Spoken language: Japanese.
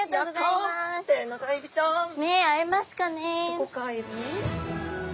どこかエビ？